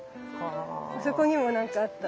そこにも何かあった。